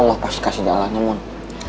allah pasti kasih dalahnya mon